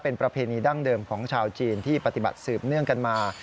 เป็นประเพณีดั้งเดิมของชาวจีนที่ปฏิบัติสืบเนื่องกันมา